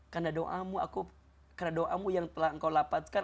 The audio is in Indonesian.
karena doamu yang telah engkau lapatkan